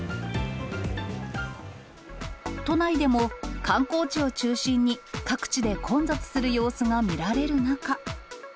都内でも観光地を中心に、各地で混雑する様子が見られる中。